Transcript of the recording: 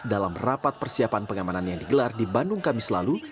dalam rapat persiapan pengamanan yang digelar di bandung kamis lalu